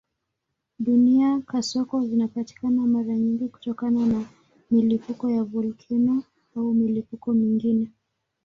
Duniani kasoko zinapatikana mara nyingi kutokana na milipuko ya volkeno au milipuko mingine.